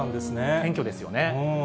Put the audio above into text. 謙虚ですよね。